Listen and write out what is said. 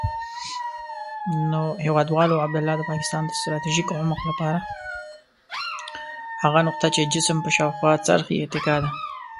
هغه نقطه چې جسم په شاوخوا څرخي اتکا ده.